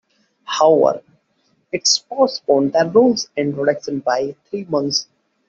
However it postponed the rules' introduction by three months.